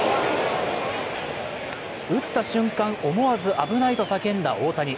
打った瞬間、思わず「危ない！」と叫んだ大谷。